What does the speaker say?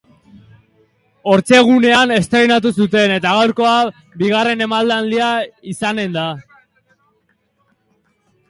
Ortzegunean estreinatu zuten eta gaurkoa bigarern emanaldia izanen da.